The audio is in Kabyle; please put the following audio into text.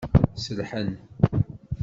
Sellḥen.